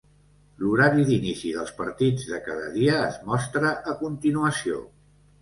L'horari d'inici dels partits de cada dia es mostra a continuació.